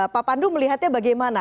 pak pandu melihatnya bagaimana